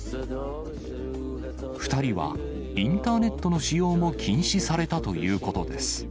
２人は、インターネットの使用も禁止されたということです。